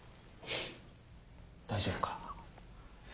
大丈夫か？